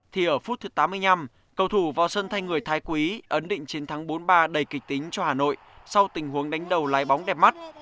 thì ở phút thứ tám mươi năm cầu thủ vào sân thanh người thái quý ấn định chiến thắng bốn ba đầy kịch tính cho hà nội sau tình huống đánh đầu lái bóng đẹp mắt